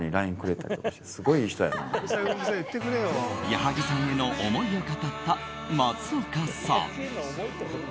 矢作さんへの思いを語った松岡さん。